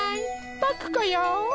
パクこよ！